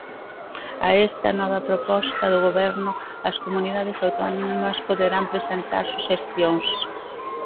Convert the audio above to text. A esta nova proposta do Goberno, as comunidades autónomas poderán presentar suxestións.